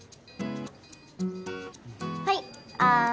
はいあん。